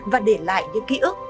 và để lại những ký ức